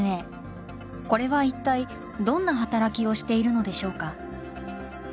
これは一体どんな働きをしているのでしょうか。